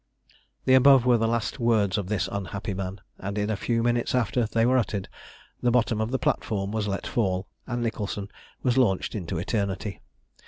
The above were the last words of this unhappy man; and in a few minutes after they were uttered, the bottom of the platform was let fall, and Nicholson was launched into eternity.